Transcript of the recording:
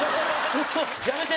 やめて！